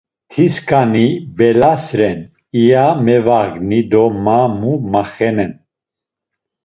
Tiskani belas ren, iya mevagni do ma mu maxvenen?